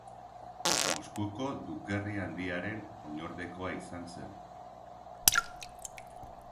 Moskuko Dukerri Handiaren oinordekoa izan zen.